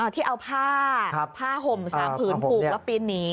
ที่เอาผ้าผ้าห่ม๓ผืนผูกแล้วปีนหนี